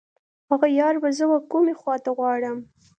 هغه یار به زه و کومې خواته غواړم.